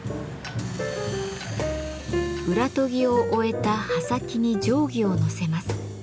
裏研ぎを終えた刃先に定規をのせます。